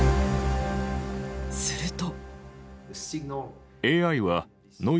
すると。